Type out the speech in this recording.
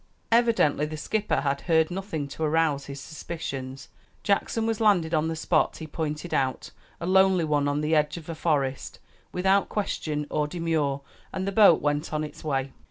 Evidently the skipper had heard nothing to arouse his suspicions. Jackson was landed at the spot he pointed out a lonely one on the edge of a forest, without question or demur, and the boat went on its way.